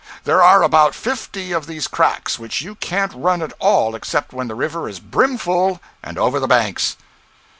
There are about fifty of these cracks which you can't run at all except when the river is brim full and over the banks.'